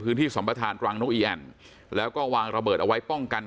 สัมประธานตรังนกอีแอ่นแล้วก็วางระเบิดเอาไว้ป้องกัน